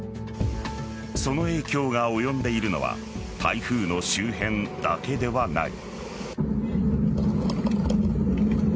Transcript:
その影響が及んでいるのは台風の周辺だけではない。